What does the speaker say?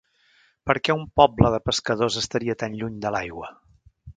Per què un poble de pescadors estaria tan lluny de l'aigua?